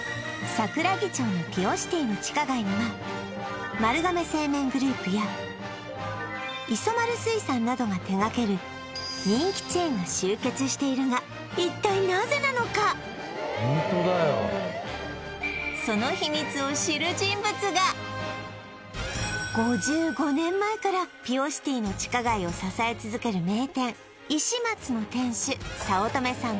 桜木町のぴおシティの地下街には丸亀製麺グループや磯丸水産などが手がける人気チェーンが集結しているが一体なぜなのか５５年前からぴおシティの地下街を支え続ける名店石松の店主早乙女さん